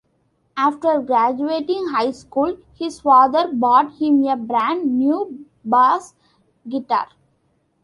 After graduating high school, his father bought him a brand new bass guitar.